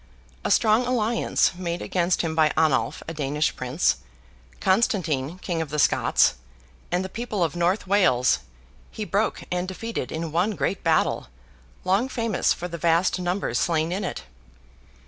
A strong alliance, made against him by Anlaf a Danish prince, Constantine King of the Scots, and the people of North Wales, he broke and defeated in one great battle, long famous for the vast numbers slain in it.